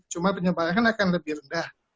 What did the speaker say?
cuma penyebarannya akan lebih rendah